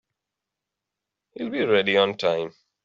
He'll be ready on time.